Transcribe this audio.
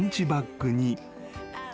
バッグに］